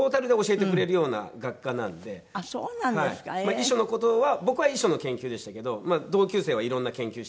遺書の事は僕は遺書の研究でしたけど同級生は色んな研究してる人がいましたね。